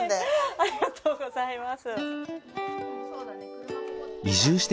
ありがとうございます。